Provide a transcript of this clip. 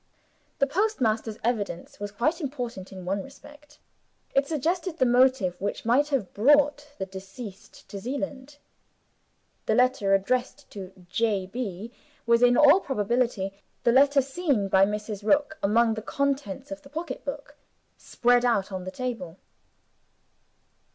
The postmaster's evidence was of importance in one respect: it suggested the motive which had brought the deceased to Zeeland. The letter addressed to "J. B." was, in all probability, the letter seen by Mrs. Rook among the contents of the pocketbook, spread out on the table.